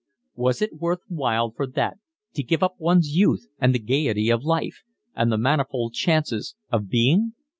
Was it worth while for that to give up one's youth, and the gaiety of life, and the manifold chances of being?